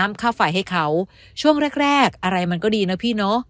ค่าไฟให้เขาช่วงแรกแรกอะไรมันก็ดีนะพี่เนอะ